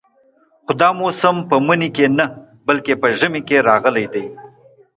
خو دا موسم په مني کې نه بلکې په ژمي کې راغلی دی.